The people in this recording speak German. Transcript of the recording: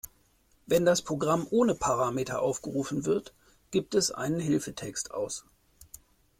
Wenn das Programm ohne Parameter aufgerufen wird, gibt es einen Hilfetext aus.